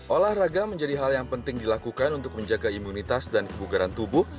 olahraga menjadi hal yang penting dilakukan untuk menjaga imunitas dan kebugaran tubuh